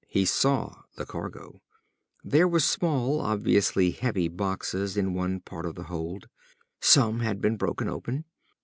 He saw the cargo. There were small, obviously heavy boxes in one part of the hold. Some had been broken open.